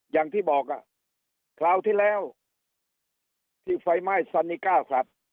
อย่างที่บอกคราวที่แล้วที่ไฟไหม้ซานิก้าสัตว์